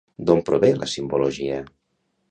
D'on prové la simbologia?